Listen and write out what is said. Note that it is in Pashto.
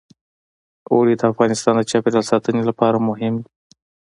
اوړي د افغانستان د چاپیریال ساتنې لپاره مهم دي.